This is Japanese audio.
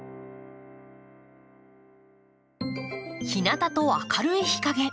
「日なた」と「明るい日かげ」。